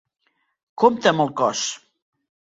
Compte amb el cos!